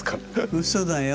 うそだよ。